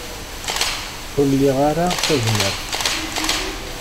Ur liɣ ara tazmert.